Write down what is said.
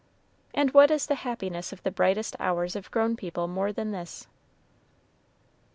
And what is the happiness of the brightest hours of grown people more than this?